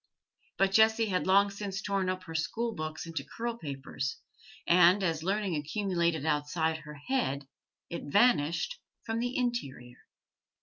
But Jessie had long since torn up her school books into curl papers, and, as learning accumulated outside her head, it vanished from the interior.